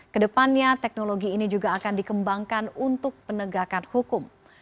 kedepannya teknologi ini juga akan dikembangkan untuk penegakan hukum